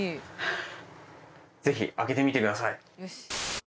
ぜひ開けてみてください。